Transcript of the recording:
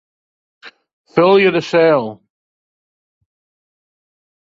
Folje de sel.